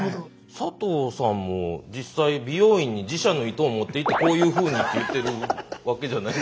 佐藤さんも実際美容院に自社の糸を持っていってこういうふうにって言ってるわけじゃないですか？